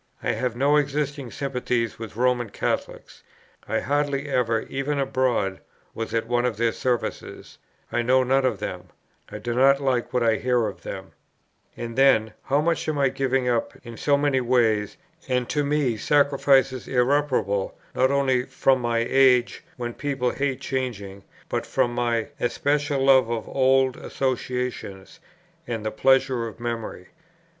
I have no existing sympathies with Roman Catholics; I hardly ever, even abroad, was at one of their services; I know none of them, I do not like what I hear of them. "And then, how much I am giving up in so many ways! and to me sacrifices irreparable, not only from my age, when people hate changing, but from my especial love of old associations and the pleasures of memory.